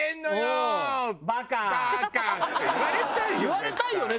言われたいよね